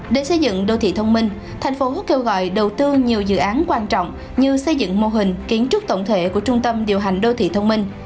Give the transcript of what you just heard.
để xây dựng đô thị thông minh thành phố hứa kêu gọi đầu tư nhiều dự án quan trọng như xây dựng mô hình kiến trúc tổng thể của trung tâm điều hành đô thị thông minh